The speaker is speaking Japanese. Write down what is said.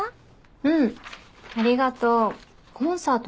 うんありがとうコンサート